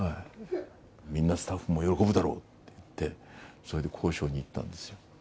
みんなスタッフも喜ぶだろうって言って、それで交渉に行ったんですよ。